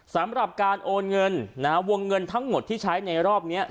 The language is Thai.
สำหรับการโอนเงินนะฮะวงเงินทั้งหมดที่ใช้ในรอบนี้